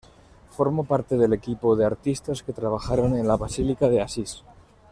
Formó parte del equipo de artistas que trabajaron en la Basílica de Asís.